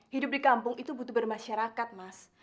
hidup di kampung itu butuh bermasyarakat mas